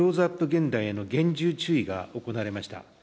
現代への厳重注意が行われました。